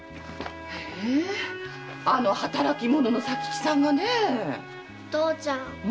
あの働き者の佐吉さんがねェ⁉父ちゃん